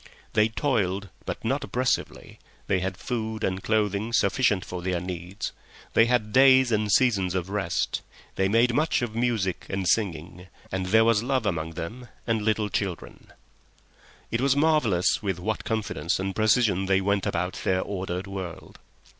They toiled, but not oppressively; they had food and clothing sufficient for their needs; they had days and seasons of rest; they made much of music and singing, and there was love among them and little children. It was marvellous with what confidence and precision they went about their ordered world.